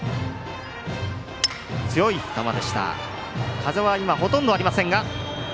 風は今、ほとんどありません。